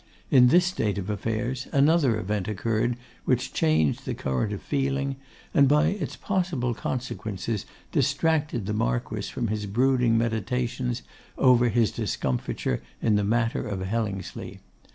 In this state of affairs, another event occurred which changed the current of feeling, and by its possible consequences distracted the Marquess from his brooding meditations over his discomfiture in the matter of Hellingsley.